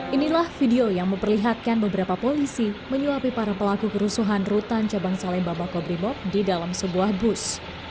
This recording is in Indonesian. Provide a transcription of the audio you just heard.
inilah video yang memperlihatkan beberapa polisi menyuapi para pelaku kerusuhan rutan cabang salemba makobrimob di dalam sebuah bus